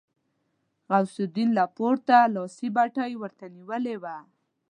غوث الدين له پورته لاسي بتۍ ورته نيولې وه.